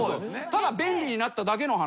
ただ便利になっただけの話。